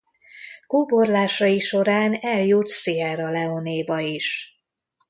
Kóborlásai során eljut Sierra Leonéba is.